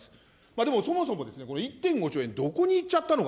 でもそもそも、この１．５兆円、どこにいっちゃったのか。